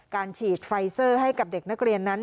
การฉีดไฟเซอร์ให้กับเด็กนักเรียนนั้น